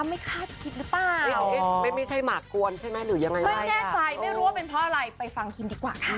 ไม่แน่ใจไม่รู้ว่าเป็นเพราะอะไรไปฟังคิมดีกว่าค่ะ